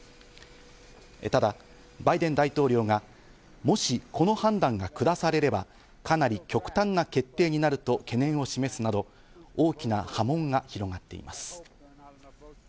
ただ、バイデン大統領がもし、この判断がくだされれば、かなり極端な決定になると懸念を示すなど大きな波紋が広がっています。